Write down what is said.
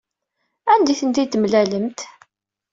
Anda ay tent-id-temlalemt?